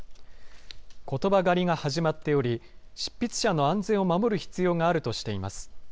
ことば狩りが始まっており、執筆者の安全を守る必要があるとしています。